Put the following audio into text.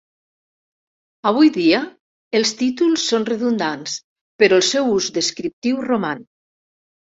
Avui dia, els títols són redundants però el seu ús descriptiu roman.